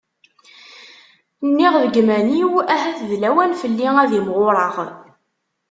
Nniɣ deg yiman-iw ahat d lawan fell-i ad imɣureɣ.